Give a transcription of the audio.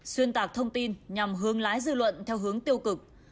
xuyên tạc thông tin nhằm hướng lái dư luận theo hướng tiêu cực